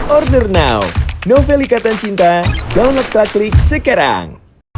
order now novel ikatan cinta download praklik sekarang